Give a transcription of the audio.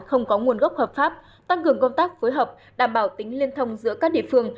không có nguồn gốc hợp pháp tăng cường công tác phối hợp đảm bảo tính liên thông giữa các địa phương